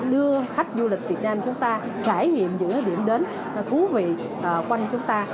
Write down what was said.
đưa khách du lịch việt nam chúng ta trải nghiệm những điểm đến thú vị quanh chúng ta